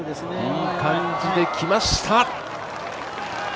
いい感じできました。